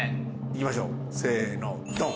行きましょうせのドン！